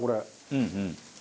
うんうん。